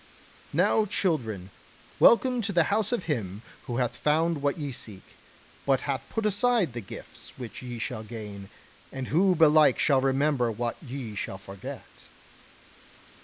Now, children, welcome to the house of him who hath found what ye seek, but hath put aside the gifts which ye shall gain; and who belike shall remember what ye shall forget."